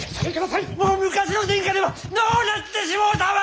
もう昔の殿下ではのうなってしもうたわ！